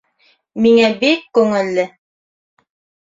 Миңә бик күңелле.